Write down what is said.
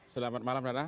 selamat malam nana